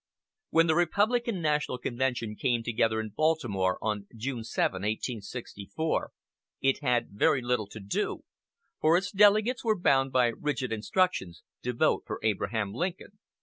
When the Republican national convention came together in Baltimore on June 7, 1864, it had very little to do, for its delegates were bound by rigid instructions to vote for Abraham Lincoln.